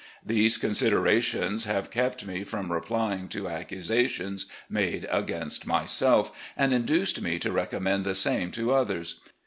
These considerations have kept me from replying to accusations made against myself, and induced me to recommend the same to others.